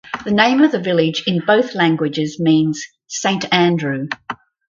The name of the village in both languages means "Saint Andrew".